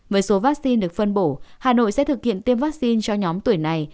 với số vaccine được phân bổ hà nội sẽ thực hiện tiêm vaccine cho nhóm tuổi này